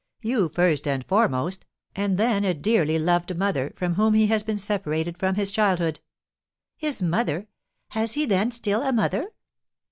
You, first and foremost, and then a dearly loved mother, from whom he has been separated from his childhood." "His mother! Has he, then, still a mother?"